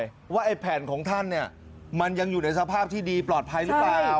ว่าไอ้แผ่นของท่านเนี่ยมันยังอยู่ในสภาพที่ดีปลอดภัยหรือเปล่า